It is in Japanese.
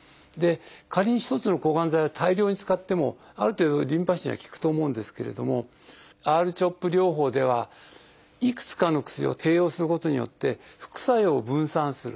仮に一つの抗がん剤を大量に使ってもある程度リンパ腫には効くと思うんですけれどもＲ−ＣＨＯＰ療法ではいくつかの薬を併用することによって副作用を分散する。